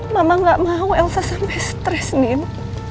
mama gak mau elsa sampai stres nino